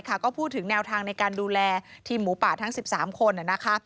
ก็พูดถึงแนวทางในการดูแลทีมหมูป่าทั้ง๑๓คนนะคะ